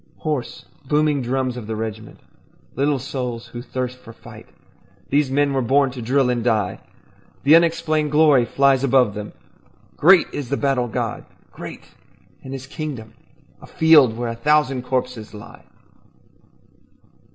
Hoarse, booming drums of the regiment, Little souls who thirst for fight, These men were born to drill and die. The unexplained glory flies above them, Great is the battle god, great, and his kingdom A field where a thousand corpses lie.